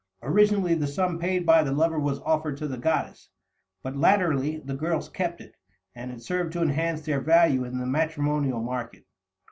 Originally the sum paid by the lover was offered to the goddess, but latterly the girls kept it, and it served to enhance their value in the matrimonial market.